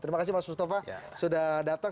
terima kasih mas mustafa sudah datang